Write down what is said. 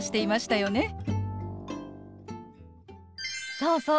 そうそう。